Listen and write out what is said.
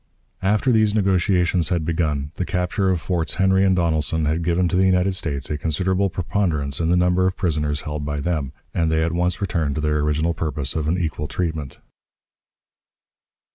After these negotiations had begun, the capture of Forts Henry and Donelson had given to the United States a considerable preponderance in the number of prisoners held by them, and they at once returned to their original purpose of an equal treatment.